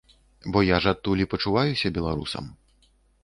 Бо я ж адтуль і пачуваюся беларусам.